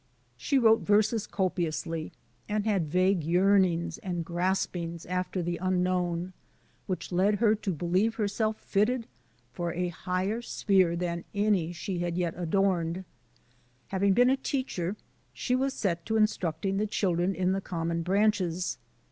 She wrote verses copiously, and had v£^ue yearnings and graspings after the unknown, which led her to believe herself fitted for a higher sphere than any she had yet adorned. Having been a teacher, she was set to instruct ing the children in the common branches.